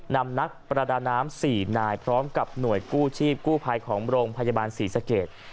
นำนักประดาน้ำ๔นายพร้อมกับหน่วยกู้ชีพกู้ภัยของโรงพยาบาลศรีสเกต